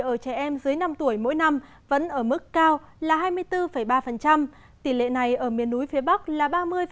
ở trẻ em dưới năm tuổi mỗi năm vẫn ở mức cao là hai mươi bốn ba tỷ lệ này ở miền núi phía bắc là ba mươi ba